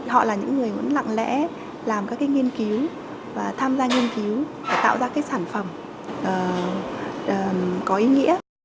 họ là những người lặng lẽ làm các nghiên cứu và tham gia nghiên cứu để tạo ra các sản phẩm có ý nghĩa